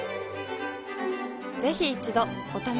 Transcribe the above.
ぜひ一度お試しを。